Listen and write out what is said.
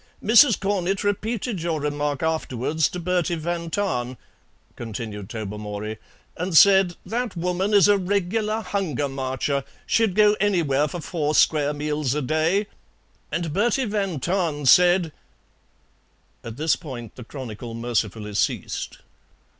"Mrs. Cornett repeated your remark afterwards to Bertie van Tahn," continued Tobermory, "and said, 'That woman is a regular Hunger Marcher; she'd go anywhere for four square meals a day,' and Bertie van Tahn said " At this point the chronicle mercifully ceased.